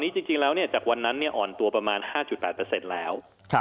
จริงแล้วจากวันนั้นอ่อนตัวประมาณ๕๘เปอร์เซ็นต์แล้ว